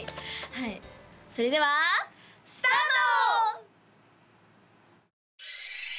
はいそれではスタート！